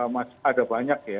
masih ada banyak ya